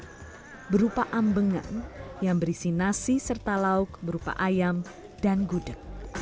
leluhur jawa yang dibawa kiai mojo